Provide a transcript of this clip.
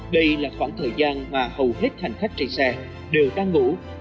đây là khoảng thời gian mà hầu hết hành khách trên xe đều đang ngủ